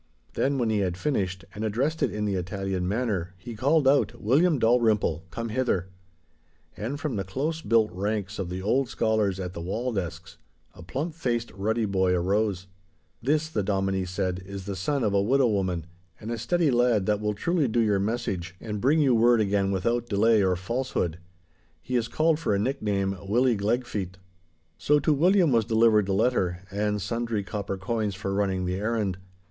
Then, when he had finished and addressed it in the Italian manner, he called out, 'William Dalrymple, come hither!' And, from the close built ranks of the older scholars at the wall desks, a plump faced, ruddy boy arose. 'This,' the Dominie said, 'is the son of a widow woman, and a steady lad that will truly do your message and bring you word again without delay or falsehood. He is called for a nickname Willie Glegfeet.' So to William was delivered the letter and sundry copper coins for running the errand.